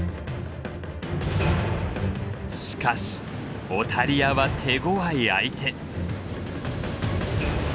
しかしオタリアは手ごわい相手。